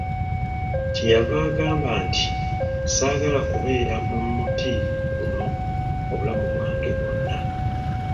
Kye yava agamba nti, saagala kubeera mu muti guno obulamu bwange bwonna.